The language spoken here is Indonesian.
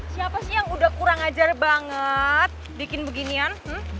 siapa sih yang udah kurang ajar banget bikin beginian